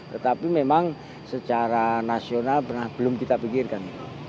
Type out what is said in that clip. tetapi memang secara nasional belum kita pikirkan